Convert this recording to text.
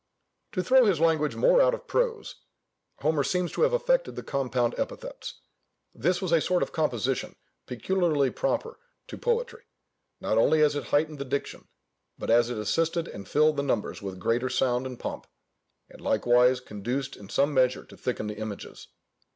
To throw his language more out of prose, Homer seems to have affected the compound epithets. This was a sort of composition peculiarly proper to poetry, not only as it heightened the diction, but as it assisted and filled the numbers with greater sound and pomp, and likewise conduced in some measure to thicken the images.